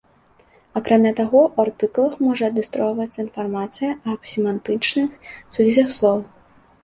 Акрамя таго, у артыкулах можа адлюстроўвацца інфармацыя аб семантычных сувязях слоў.